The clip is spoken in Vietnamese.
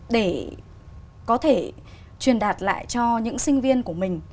để có thể truyền đạt lại cho những sinh viên của mình